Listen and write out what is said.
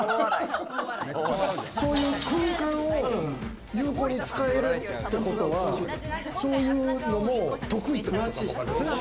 そういう空間を有効に使えるってことは、そういうのも得意ってことかもわかりませんね。